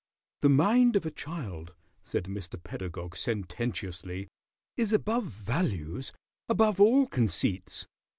"The mind of a child," said Mr. Pedagog, sententiously, "is above values, above all conceits.